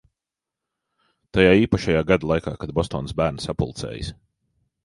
Tajā īpašajā gada laikā, kad Bostonas bērni sapulcējas.